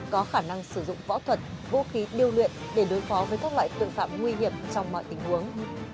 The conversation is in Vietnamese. có khả năng sử dụng võ thuật vũ khí điêu luyện để đối phó với các loại tội phạm nguy hiểm trong mọi tình huống